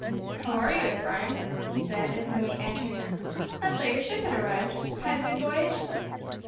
"How are you, Ephraim?" he said, as the mate entered. "I saw your ship had arrived. Had a good voyage?"